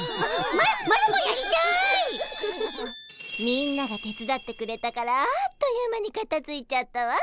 みんなが手伝ってくれたからあっという間にかたづいちゃったわ。